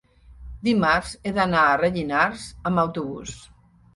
dimarts he d'anar a Rellinars amb autobús.